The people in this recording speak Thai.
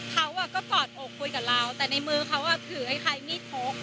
เขาก็กอดอกคุยกับเราแต่ในมือเขาถือคล้ายมีดพก